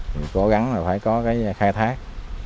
thì cố gắng là phải có cái khai thác